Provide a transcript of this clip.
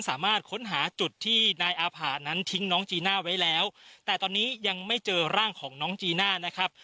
สามารถค้นหาจุดที่นายอาผานั้นทิ้งน้องจีน่าไว้แล้วแต่ตอนนี้ยังไม่เจอร่างของน้องจีน่านะครับ